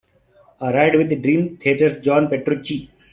A Ride with Dream Theater's John Petrucci.